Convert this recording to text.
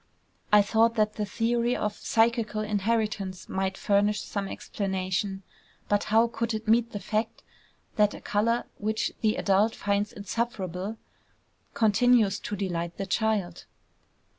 I thought that the theory of psychical inheritance might furnish some explanation; but how could it meet the fact that a color, which the adult finds insufferable, continues to delight the child?